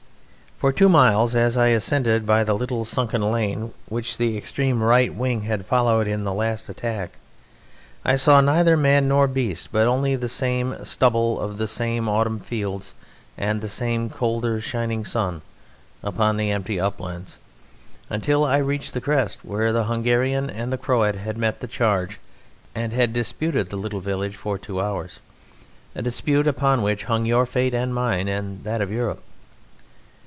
For two miles as I ascended by the little sunken lane which the extreme right wing had followed in the last attack I saw neither man nor beast, but only the same stubble of the same autumn fields, and the same colder sun shining upon the empty uplands until I reached the crest where the Hungarian and the Croat had met the charge, and had disputed the little village for two hours a dispute upon which hung your fate and mine and that of Europe.